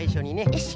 よし。